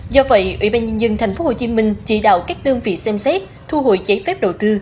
do vậy ủy ban nhân dân tp hcm chỉ đạo các đơn vị xem xét thu hồi giấy phép đầu tư